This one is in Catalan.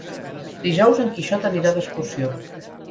Dijous en Quixot anirà d'excursió.